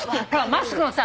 マスクのさ